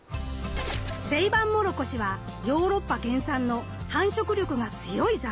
セイバンモロコシはヨーロッパ原産の繁殖力が強い雑草。